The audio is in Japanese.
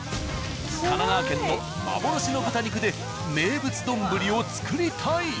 神奈川県の幻の豚肉で名物丼を作りたい！